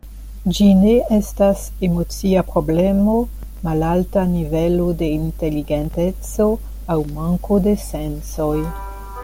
Ĝi ne estas emocia problemo, malalta nivelo de inteligenteco aŭ manko de sensoj.